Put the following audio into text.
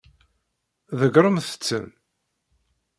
Ḍeggṛemt-ten.